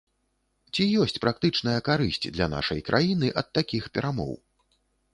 Ці ёсць практычная карысць для нашай краіны ад такіх перамоў?